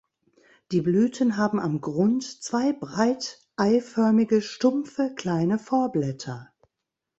Die Blüten haben am Grund zwei breit-eiförmige, stumpfe, kleine Vorblätter.